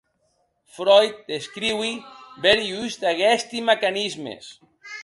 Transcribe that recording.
Freud descriu bèri uns d'aguesti mecanismes.